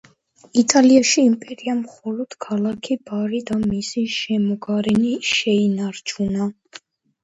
იტალიაში იმპერიამ მხოლოდ ქალაქი ბარი და მისი შემოგარენი შეინარჩუნა.